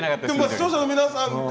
視聴者の皆さん